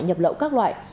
nhập lộ các loại